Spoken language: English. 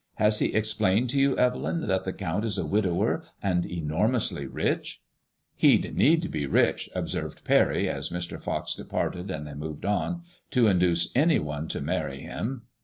Has he explained to you, Evelyn, that the Count is a widower and enormously rich ?"He'd need be rich," observed Parry, as Mr. Fox departed and they moved on, to induce any one to marry him."